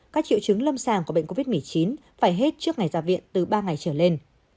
các triệu chứng lâm sàng của bệnh covid một mươi chín phải hết trước ngày ra viện từ ba ngày trở lên